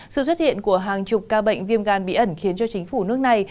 sự xuất hiện của hàng chục ca bệnh viêm gan bí ẩn khiến cho chính phủ nước này